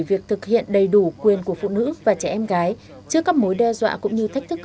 việc thực hiện đầy đủ quyền của phụ nữ và trẻ em gái trước các mối đe dọa cũng như thách thức